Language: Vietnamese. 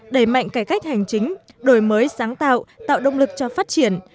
đẩy mạnh cải cách hành chính đổi mới sáng tạo tạo động lực cho phát triển